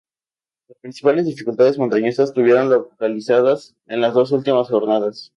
Las principales dificultades montañosas estuvieron localizadas en las dos últimas jornadas.